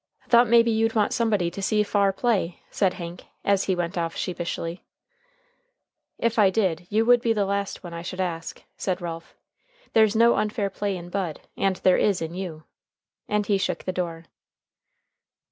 "Thought maybe you'd want somebody to see far play," said Hank as he went off sheepishly. "If I did, you would be the last one I should ask," said Ralph. "There's no unfair play in Bud, and there is in you." And he shut the door.